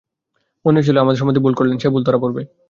মনে হয়েছিল আমার সম্বন্ধে ভুল করলেন, সে ভুল ধরা পড়বে।